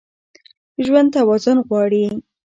ژوند توازن غواړي.